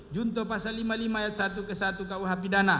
junto pasal lima puluh lima ayat satu ke satu kuh pidana